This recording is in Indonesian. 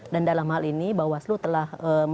dan dalam hal ini bahwasu telah